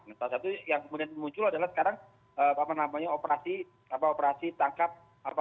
misalnya yang kemudian muncul adalah sekarang operasi tangkap